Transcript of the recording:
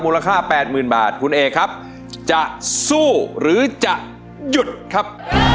มูลค่าแปดหมื่นบาทคุณเอกครับจะสู้หรือจะหยุดครับ